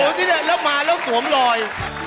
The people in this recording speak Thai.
โหนี่แหละแล้วมาแล้วสวมลอย